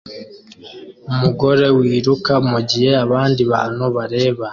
Umugore wiruka mugihe abandi bantu bareba